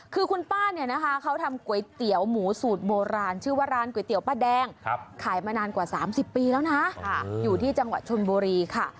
คือคุณป้าเนี่ยนะคะเขาทำก๋วยเตี๋ยวหมูสูตรโบราณชื่อว่าร้านก๋วยเตี๋ยวป้าแดงขายมานานกว่า๓๐ปีแล้วนะอยู่ที่จังหวัดชนบุรีค่ะ